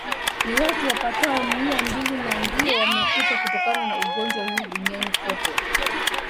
Ni watu wapatao Mia mbili tu ndio wamekufa kutokana na ugonjwa huu duniani kote